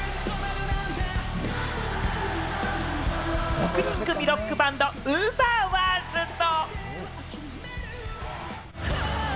６人組ロックバンド・ＵＶＥＲｗｏｒｌｄ。